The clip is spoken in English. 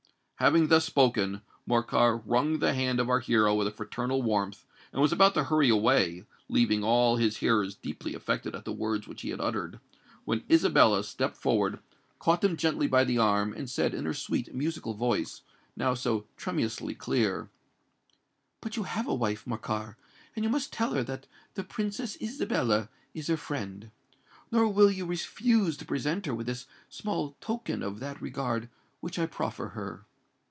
Having thus spoken, Morcar wrung the hand of our hero with a fraternal warmth, and was about to hurry away,—leaving all his hearers deeply affected at the words which he had uttered,—when Isabella stepped forward, caught him gently by the arm, and said in her sweet musical voice, now so tremulously clear,—"But you have a wife, Morcar; and you must tell her that the Princess Isabella is her friend! Nor will you refuse to present her with this small token of that regard which I proffer her."